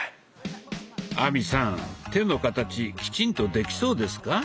亜美さん手の形きちんとできそうですか？